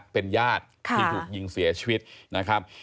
เป็นญาติที่ถูกยิงเสียชีวิตนะครับ